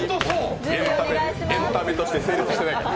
エンタメとして成立してないから。